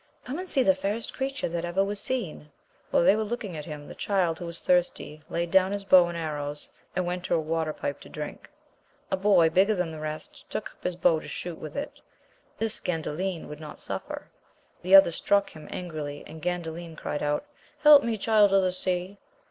Come and see the fairest creature that ever was seen ! While they were looking at him, the child, who was thirsty, laid down '^his bow and arrows, and went to a water pipe to drink. A boy big ger than the rest took up his bow to shoot with it ; this Gandalin would not suffer ; the other struck him angrily, and Gandalin cried out. Help me. Child of the Sea